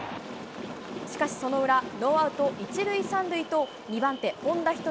しかしその裏、ノーアウト１塁３塁と、２番手、本田仁